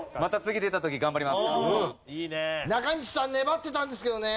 中西さん粘ってたんですけどね。